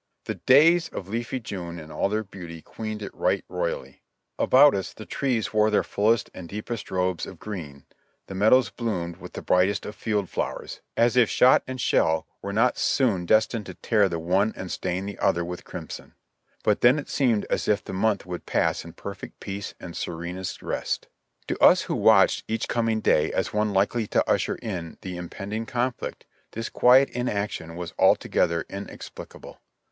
The days of leafy June in all her beauty queened it right roy ally. About us the trees wore their fullest and deepest robes of green, the meadows bloomed with the brightest of field flowers, 164 JOHNNY REB AND BII,I,Y YANK as if shot and shell were not soon destined to tear the one and stain the other with crimson. But then it seemed as if the month would pass in perfect peace and serenest rest. To us who watched each coming day as one likely to usher in the impending conflict, this quiet inaction was altogether inex plicable.